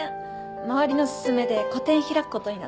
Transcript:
周りの勧めで個展開くことになって。